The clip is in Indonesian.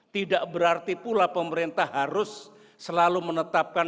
tidak berarti pula pemerintah harus selalu menetapkan